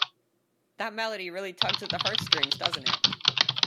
That melody really tugs at the heartstrings, doesn't it?